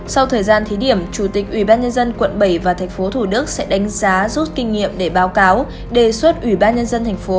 sau thời gian thí điểm chủ tịch ủy ban nhân dân quận bảy và tp thủ đức sẽ đánh giá rút kinh nghiệm để báo cáo đề xuất ủy ban nhân dân tp